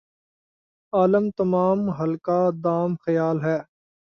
عالم تمام حلقہ دام خیال ھے